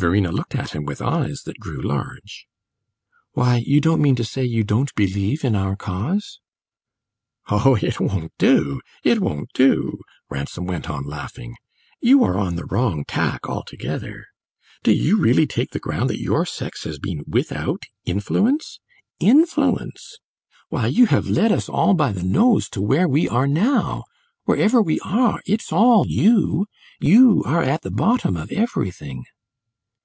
Verena looked at him with eyes that grew large. "Why, you don't mean to say you don't believe in our cause?" "Oh, it won't do it won't do!" Ransom went on, laughing. "You are on the wrong tack altogether. Do you really take the ground that your sex has been without influence? Influence? Why, you have led us all by the nose to where we are now! Wherever we are, it's all you. You are at the bottom of everything."